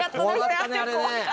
怖かったねあれね。